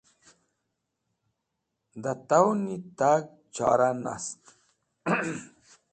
da towni tag chora nast